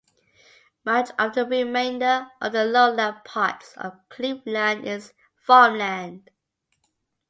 Much of the remainder of the lowland parts of Cleveland is farmland.